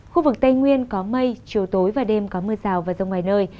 khu vực tây nguyên có mây chiều tối và đêm có mưa rào và rông vài nơi